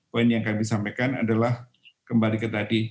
poin yang kami sampaikan adalah kembali ke tadi